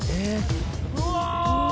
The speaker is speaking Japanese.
うわ！